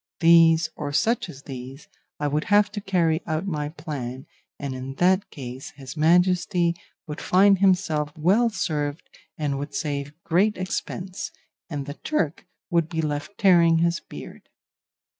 These, or such as these, I would have to carry out my plan, and in that case his Majesty would find himself well served and would save great expense, and the Turk would be left tearing his beard.